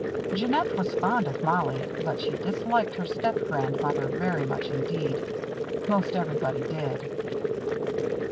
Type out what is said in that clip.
Jeannette was fond of Mollie, but she disliked her stepgrandmother very much indeed. Most everybody did.